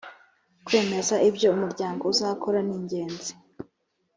kwemeza ibyo umuryango uzakora ningenzi.